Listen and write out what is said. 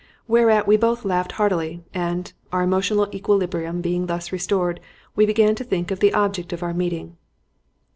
Whereat we both laughed heartily, and, our emotional equilibrium being thus restored, we began to think of the object of our meeting.